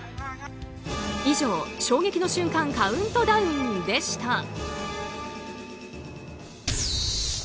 以上、衝撃の瞬間カウントダウンでした。